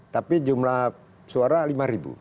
tapi jumlah suara lima ribu